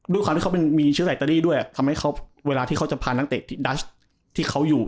ด้วยความที่เขามีเชื้อไอิตาลีด้วยทำให้เขาเวลาที่เขาจะพานักเตะดัชที่เขาอยู่